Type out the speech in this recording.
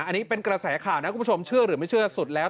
อันนี้เป็นกระแสข่าวนะคุณผู้ชมเชื่อหรือไม่เชื่อสุดแล้ว